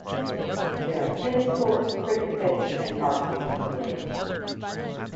There are tennis courts, cricket pitch and barbecue facilities.